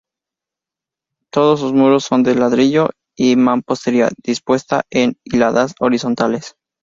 Todos sus muros son de ladrillo y mampostería, dispuesta en hiladas horizontales.